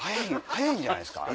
早いんじゃないですか？